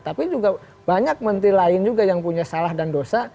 tapi juga banyak menteri lain juga yang punya salah dan dosa